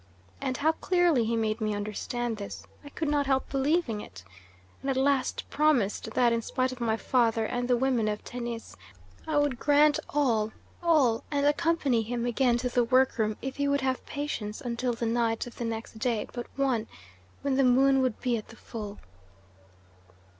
And how clearly he made me understand this! I could not help believing it, and at last promised that, in spite of my father and the women of Tennis, I would grant all, all, and accompany him again to the work room if he would have patience until the night of the next day but one, when the moon would be at the full."